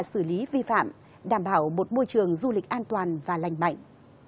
xử lý vi phạm đảm bảo một môi trường du lịch an toàn và lành mạnh